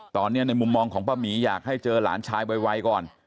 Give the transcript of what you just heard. ตอนนี้ในมุมมองของป้าหมีอยากให้เจอหลานชายไวก่อน